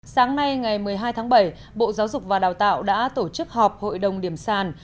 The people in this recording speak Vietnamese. sáng nay ngày một mươi hai tháng bảy bộ giáo dục và đào tạo đã tổ chức họp hội đồng điểm sàn